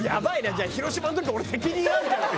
じゃあ広島の時俺責任あるじゃん。